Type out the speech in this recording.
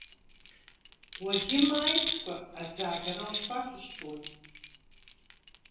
Уагьымааицкәа аӡаагара ушԥасышьҭуеи.